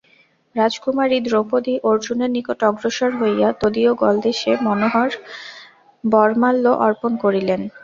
রাজকুমারী দ্রৌপদী অর্জুনের নিকট অগ্রসর হইয়া তদীয় গলদেশে মনোহর বরমাল্য অর্পণ করিলেন।